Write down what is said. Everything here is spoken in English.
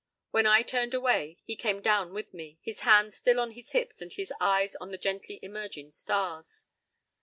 When I turned away he came down with me, his hands still on his hips and his eyes on the gently emerging stars.